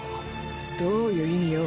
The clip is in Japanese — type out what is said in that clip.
どういう意味よ？